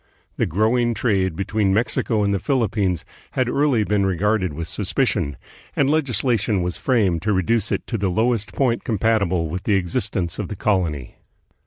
The growing trade between Mexico and the Philippines had early been re garded with suspicion, and legislation was framed to reduce it to the lowest point compatible with the existence of the colony.